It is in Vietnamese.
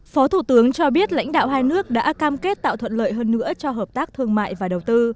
phó thủ tướng cho biết lãnh đạo hai nước đã cam kết tạo thuận lợi hơn nữa cho hợp tác thương mại và đầu tư